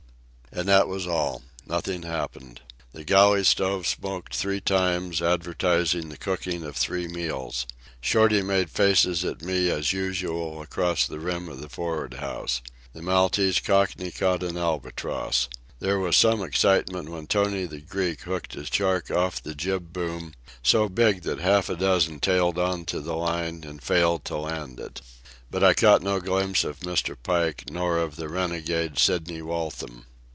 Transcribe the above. And that was all. Nothing happened. The galley stove smoked three times, advertising the cooking of three meals. Shorty made faces at me as usual across the rim of the for'ard house. The Maltese Cockney caught an albatross. There was some excitement when Tony the Greek hooked a shark off the jib boom, so big that half a dozen tailed on to the line and failed to land it. But I caught no glimpse of Mr. Pike nor of the renegade Sidney Waltham.